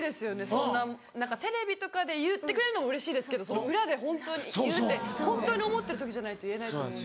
そんなテレビとかで言ってくれるのもうれしいですけど裏で本当に言うって本当に思ってる時じゃないと言えないと思うんで。